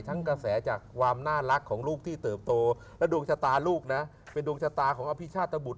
กระแสจากความน่ารักของลูกที่เติบโตและดวงชะตาลูกนะเป็นดวงชะตาของอภิชาตบุตร